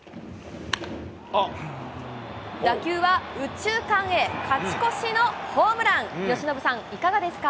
打球は右中間へ、勝ち越しのホームラン。